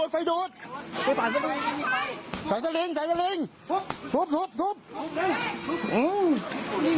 คนอยู่ของหน้านี่กว่านี่ทุบก่อนดิเนี่ยคนอยู่ตรงเนี้ย